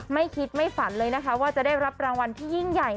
ไม่คิดไม่ฝันเลยนะคะว่าจะได้รับรางวัลที่ยิ่งใหญ่